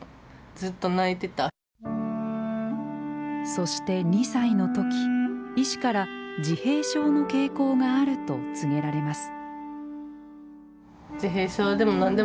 そして２歳の時医師から自閉症の傾向があると告げられます。